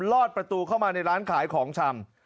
ลอดประตูเข้ามาในร้านขายของชำ